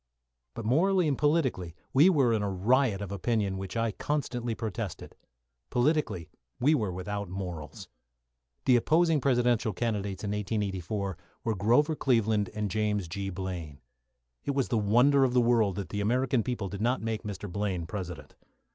But, morally and politically, we were in a riot of opinion against which I constantly protested. Politically, we were without morals. The opposing Presidential candidates in 1884 were Grover Cleveland and James G. Blaine. It was the wonder of the world that the American people did not make Mr. Blaine President.